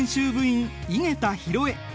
員井桁弘恵。